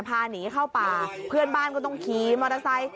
พาหนีเข้าป่าเพื่อนบ้านก็ต้องขี่มอเตอร์ไซค์